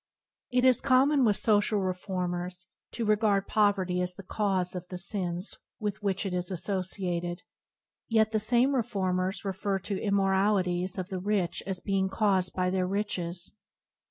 It is common with social reformers to [41 ] regard poverty as the cause of the sins with which it is associated; yet the same reform ers refer to the immoralities of the rich as being caused by their riches.